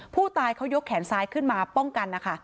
ผู้ตายเขายกแขนซ้ายขึ้นมาป้องกันนะคะ